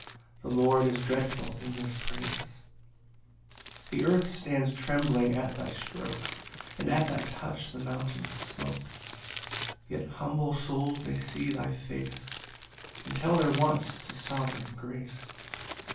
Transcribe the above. The Lord is dreadful in his praise. 26 The earth stands trembling at thy stroke, And at thy touch the mountains smoke; Yet humble souls may see thy face, And tell their wants to sovereign grace.